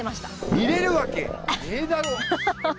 見えるわけねえだろ。